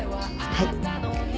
はい。